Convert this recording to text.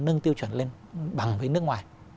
nâng tiêu chuẩn lên bằng với nước ngoài